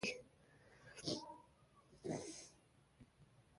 بېوزلي او شتمني دواړې د افکارو زېږنده دي.